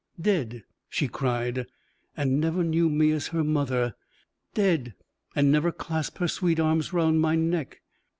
"Dead!" she cried, "and never knew me as her mother! Dead! and never clasped her sweet arms round my neck!